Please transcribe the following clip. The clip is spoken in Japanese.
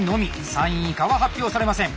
３位以下は発表されません。